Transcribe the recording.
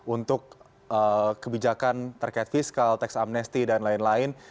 untuk kebijakan terkait fiskal tax amnesty dan lain lain